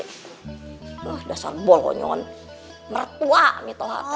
loh dasar bolonyon mertua mito hatta